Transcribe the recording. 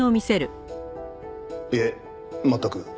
いえ全く。